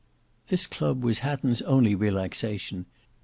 This club was Hatton's only relaxation.